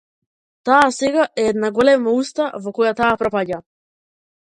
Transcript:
Таа сега е една голема уста во која таа пропаѓа.